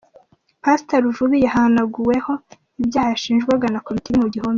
Pastor Ruvubi yahanaguweho ibyaha yashinjwagwa na komite iri mu gihome.